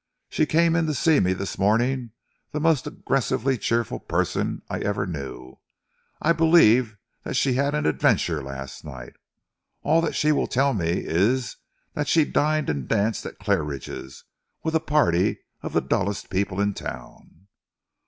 She came in to see me this morning the most aggressively cheerful person I ever knew. I believe that she had an adventure last night. All that she will tell me is that she dined and danced at Claridge's with a party of the dullest people in town."